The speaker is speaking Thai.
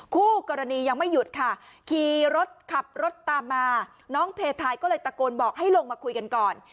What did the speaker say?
คู่กรณียังไม่หยุดค่ะขี่รถขับรถตามมาน้องเพทายก็เลยตะโกนบอกให้ลงมาคุยกันก่อน